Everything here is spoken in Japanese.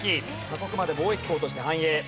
鎖国まで貿易港として繁栄。